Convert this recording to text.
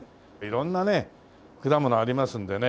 色んなね果物ありますんでね。